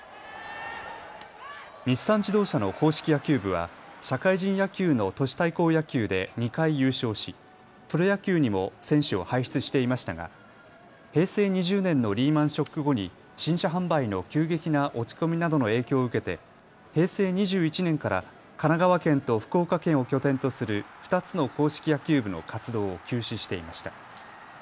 日産自動車の硬式野球部は社会人野球の都市対抗野球で２回優勝し、プロ野球にも選手を輩出していましたが平成２０年のリーマンショック後に新車販売の急激な落ち込みなどの影響を受けて、平成２１年から神奈川県と福岡県を拠点とする２つの硬式野球部の活動を休止していました。